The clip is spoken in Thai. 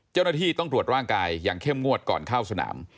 เจ้าหน้าที่ต้องตรวจร่างกายอย่างเข้มงวดก่อนเข้าสนาม